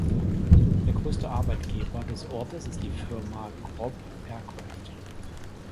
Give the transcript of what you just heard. Der größte Arbeitgeber des Ortes ist die Firma Grob Aircraft.